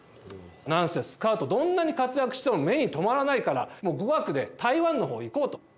なんせスカウト、どんなに活躍しても目に留まらないから、もう語学で台湾のほうに行こうと。